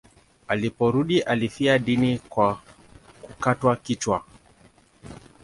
Aliporudi alifia dini kwa kukatwa kichwa.